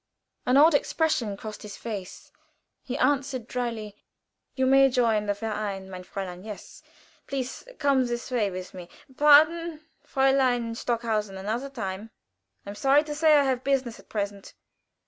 An odd expression crossed his face; he answered, dryly: "You may join the verein, mein Fräulein yes. Please come this way with me. Pardon, Fräulein Stockhausen another time. I am sorry to say I have business at present."